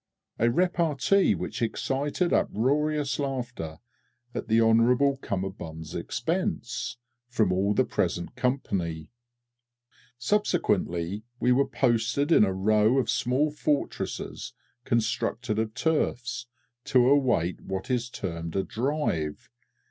A repartee which excited uproarious laughter (at Hon'ble C.'s expense) from all the present company. Subsequently, we were posted in a row of small fortresses constructed of turfs, to await what is termed a "Drive," _i.